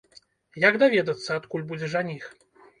Як даведацца, адкуль будзе жаніх?